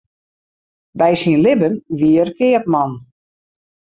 By syn libben wie er keapman.